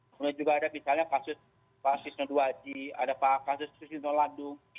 kemudian juga ada misalnya kasus pak sisno duwaji ada pak kasus susino landung